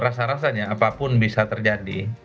rasa rasanya apapun bisa terjadi